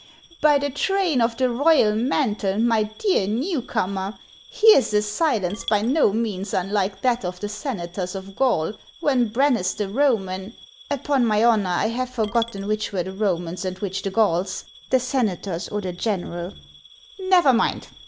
" By the train of the royal mantle, my dear new comer, here 's a silence by no means unlike that of the senators of Gaul when Brennus the Roman — Upon my honor, I have forgotten which were the Romans and which the Gauls, — the senators or the general Never mind.